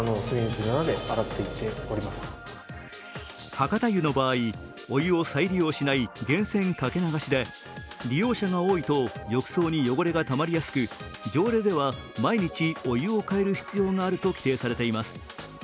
博多湯の場合、お湯を再利用しない源泉かけ流しで利用者が多いと浴槽に汚れがたまりやすく条例では毎日お湯を替える必要があると規定されています。